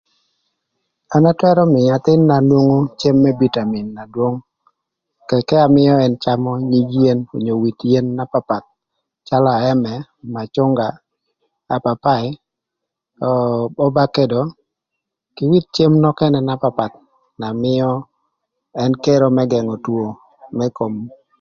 An atwërö mïö athïn-na nwongo cem më bitamin na dwong tëk ka amïö ën camö nyig yen onye with yen na papath calö aëmë, macünga, apapai, obakedo, kï nyig cem nökënë na papath na mïö ën kero më gëngö two më kom.